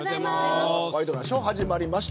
ワイドナショー始まりました。